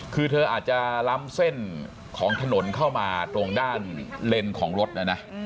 คือเธออาจจะล้ำเส้นของถนนเข้ามาตรงด้านเลนส์ของรถนะนะ